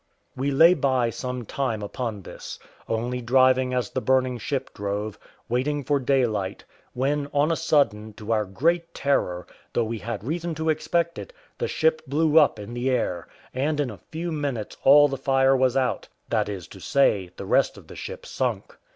We lay by some time upon this, only driving as the burning ship drove, waiting for daylight; when, on a sudden, to our great terror, though we had reason to expect it, the ship blew up in the air; and in a few minutes all the fire was out, that is to say, the rest of the ship sunk.